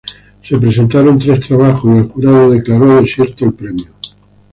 Se presentaron tres trabajos y el jurado declaró desierto el premio.